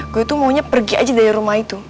gue tuh maunya pergi aja dari rumah itu